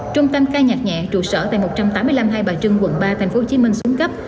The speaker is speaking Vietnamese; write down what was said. trung tâm ca nhạc nhẹ trụ sở tại một trăm tám mươi năm hai bà trưng quận ba tp hcm xuống cấp